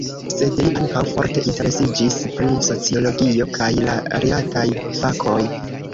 Sed li ankaŭ forte interesiĝis pri sociologio kaj la rilataj fakoj.